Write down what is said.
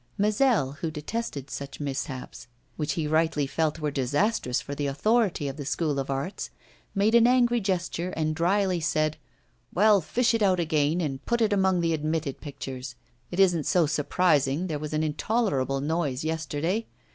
Mazel, who detested such mishaps, which he rightly felt were disastrous for the authority of the School of Arts, made an angry gesture, and drily said: 'Well, fish it out again, and put it among the admitted pictures. It isn't so surprising, there was an intolerable noise yesterday.